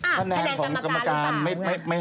คะแนนของกรรมการไม่ให้